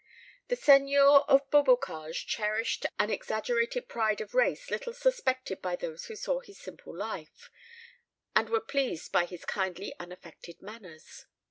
The seigneur of Beaubocage cherished an exaggerated pride of race little suspected by those who saw his simple life, and were pleased by his kindly unaffected manners.